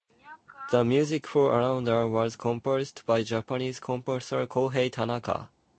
The music for Alundra was composed by Japanese composer Kohei Tanaka.